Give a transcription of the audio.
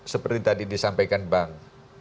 seperti tadi disampaikan bang